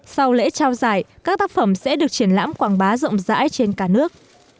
sau lễ trao giải các tác phẩm sẽ được triển lãm quảng bá rộng rãi trên cả nước